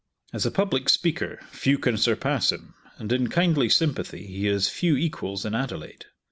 As a public speaker, few can surpass him, and in kindly sympathy he has few equals in Adelaide.